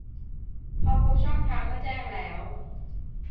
พอพบช่องทางเมื่อแจ้งแล้ว